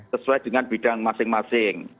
sesuai dengan bidang masing masing